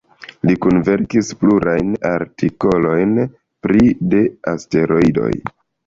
Li kunverkis plurajn artikolojn pri de asteroidoj.